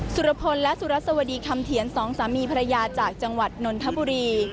สุรพลและสุรสวดีคำเถียนสองสามีภรรยาจากจังหวัดนนทบุรี